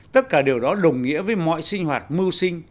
tất cả điều đó đồng nghĩa với mọi sinh hoạt mưu sinh